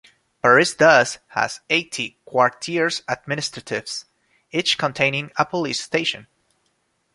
Paris thus has eighty "quartiers administratifs", each containing a police station.